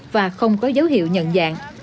và không có dấu hiệu nhận dạng